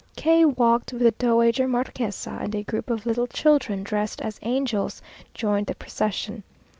K walked with the dowager marquesa; and a group of little children, dressed as angels, joined the procession.